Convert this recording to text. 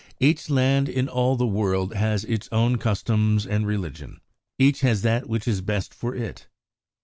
Each land in all the world has its own customs and religion. Each has that which is best for it.